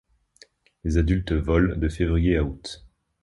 Les adultes volent de février à août.